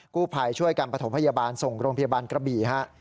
กู้ภัยช่วยกันประถมพยาบาลส่งโรงพยาบาลกระบี่ฮะ